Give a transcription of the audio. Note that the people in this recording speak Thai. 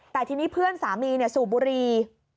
แต่ทีนี้เพื่อนสามีสูบบุรี